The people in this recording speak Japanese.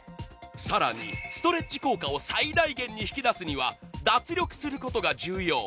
更に、ストレッチ効果を最大限に引き出すには、脱力することが重要。